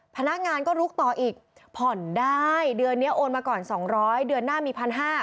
พนักงานก็ลุกต่ออีกผ่อนได้เดือนนี้โอนมาก่อน๒๐๐เดือนหน้ามี๑๕๐๐